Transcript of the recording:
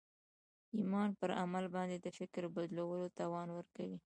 ایمان پر عمل باندې د فکر بدلولو توان ورکوي